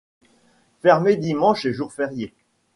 Fermé dimanche et jours fériés.